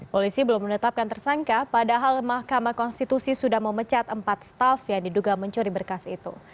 polisi belum menetapkan tersangka padahal mahkamah konstitusi sudah memecat empat staff yang diduga mencuri berkas itu